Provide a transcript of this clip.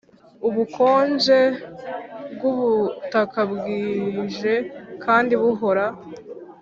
ubukonje bwubutaka bwije kandi buhoro